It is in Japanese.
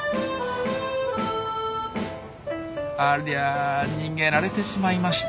ありゃ逃げられてしまいました。